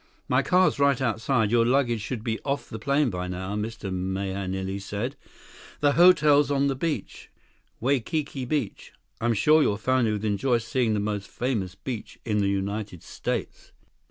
"My car's right outside. Your luggage should be off the plane by now," Mr. Mahenili said. "The hotel's on the beach—Waikiki Beach. I'm sure your family will enjoy seeing the most famous beach in the United States."